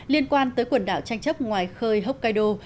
liên quan tới quần đảo tranh chấp ngoài khơi hokkaido